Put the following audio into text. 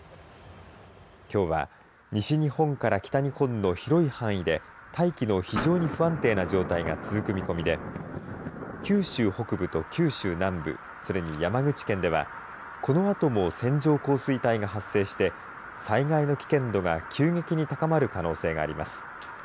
きょうは西日本から北日本の広い範囲で大気の非常に不安定な状態が続く見込みで九州北部と九州南部それに山口県ではこのあとも線状降水帯が発生して災害の危険度が急激に高まる可能性があります。